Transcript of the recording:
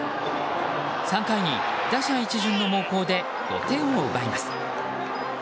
３回に打者一巡の猛攻で５点を奪います。